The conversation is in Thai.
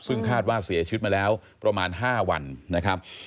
ซึ่งคาดว่าเสียชีวิตมาแล้วประมาณ๕วันนะครับ